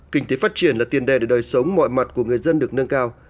kinh tế phát triển là tiền đề để đời sống mọi mặt của người dân được nâng cao